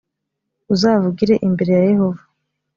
uzavugire imbere ya yehova